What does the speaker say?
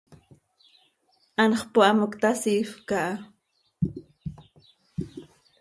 Anxö pohamoc ta, siifp caha.